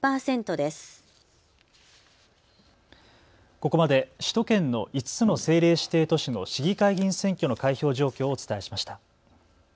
ここまで首都圏の５つの政令指定都市の市議会議員選挙の開票状況をお伝えしました。